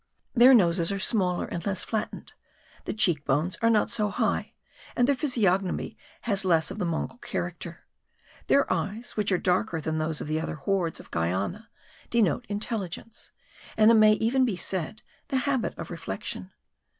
Their noses are smaller, and less flattened; the cheek bones are not so high; and their physiognomy has less of the Mongol character. Their eyes, which are darker than those of the other hordes of Guiana, denote intelligence, and it may even be said, the habit of reflection.